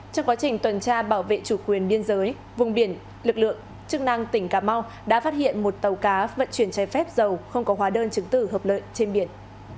trong quá trình tuần tra bảo vệ chủ quyền biên giới vùng biển lực lượng chức năng tỉnh cà mau đã phát hiện một tàu cá vận chuyển trái phép dầu không có hóa đơn chứng tử hợp lợi trên biển